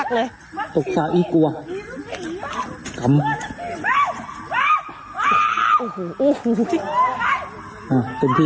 ไฟเอ๊ะไฟไฟไฟ